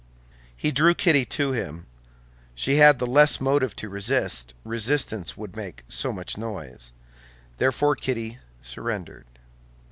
He drew Kitty to him. She had the less motive to resist, resistance would make so much noise. Therefore Kitty surrendered.